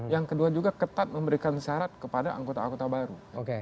yang kedua juga ketat memberikan syarat kepada anggota anggota baru